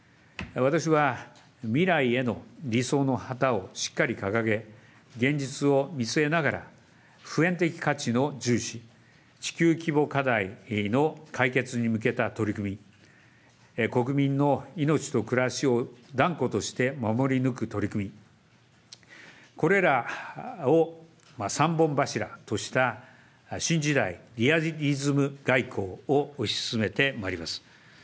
私は未来への理想の旗をしっかり掲げ、現実を見据えながら、普遍的価値の重視、地球規模課題の解決に向けた取り組み、国民の命と暮らしを断固として守り抜く取り組み、これらを３本柱とした新時代、リアリズム外交を推し進めてまいります。